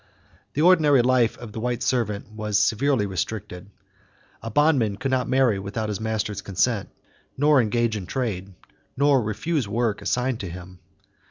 The ordinary life of the white servant was also severely restricted. A bondman could not marry without his master's consent; nor engage in trade; nor refuse work assigned to him.